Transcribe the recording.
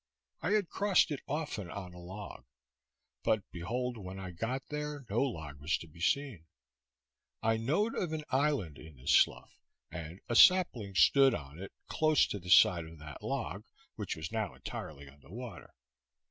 I had crossed it often on a log; but, behold, when I got there, no log was to be seen. I knowed of an island in the slough, and a sapling stood on it close to the side of that log, which was now entirely under water.